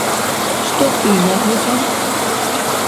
Што ты на гэта?